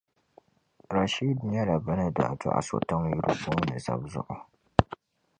Rashid nyɛla bɛ ni daa dɔɣi so tiŋyuli booni Zabzugu.